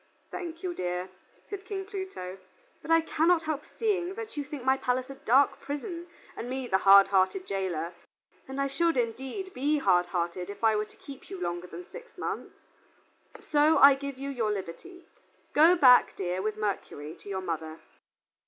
"Thank you, dear," said King Pluto, "but I cannot help seeing that you think my palace a dark prison and me the hard hearted jailor, and I should, indeed, be hard hearted if I were to keep you longer than six months. So I give you your liberty. Go back, dear, with Mercury, to your mother."